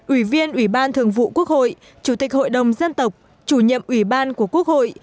ủy viên ủy ban thường vụ quốc hội chủ tịch hội đồng dân tộc chủ nhiệm ủy ban của quốc hội